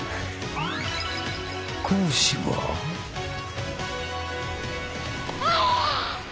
講師は。